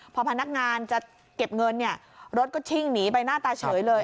พอพนักงานจะเก็บเงินเนี่ยรถก็ชิ่งหนีไปหน้าตาเฉยเลย